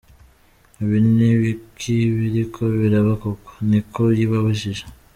"Ibi n'ibiki biriko biraba koko?" ni ko yibajije.